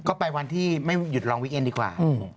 ก็ไปวันที่ไม่หยุดรองวิกเอ็นดีกว่า